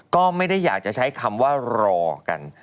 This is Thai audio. ก็ไม่ได้อยากจะใช้คำว่ารอกัน